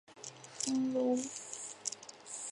山本周五郎奖评选对象为大众文学。